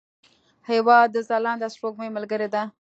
هېواد د ځلانده سپوږمۍ ملګری دی.